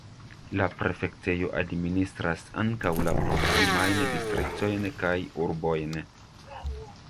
La prefektejo administras ankaŭ la proksimajn distriktojn kaj urbojn.